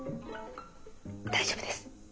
大丈夫です。